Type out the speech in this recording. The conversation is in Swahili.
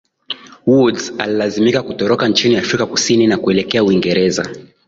Woods alilazimika kutoroka nchini Afrika Kusini na kuelekea Uingereza